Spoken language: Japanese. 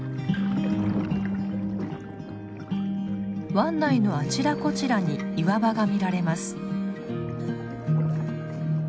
湾内のあちらこちらに岩場が見られます。